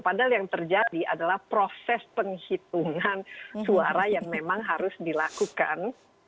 padahal yang terjadi adalah proses penghitungan suara yang memang harus dilakukan